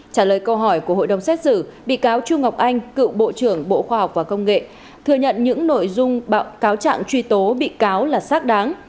trả lời câu hỏi của hội đồng xét xử bị cáo trung ngọc anh cựu bộ trưởng bộ khoa học và công nghệ thừa nhận những nội dung bạo cáo trạng truy tố bị cáo là xác đáng